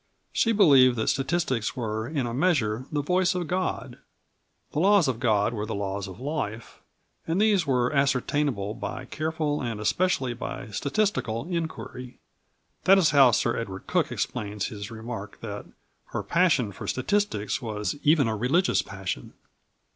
She believed that statistics were in a measure the voice of God. "The laws of God were the laws of life, and these were ascertainable by careful, and especially by statistical, inquiry." That is how Sir Edward Cook explains his remark that her passion for statistics was "even a religious passion."